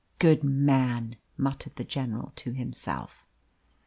"Good man," muttered the general to himself.